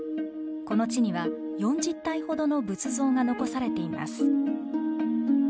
この地には４０体ほどの仏像が残されています。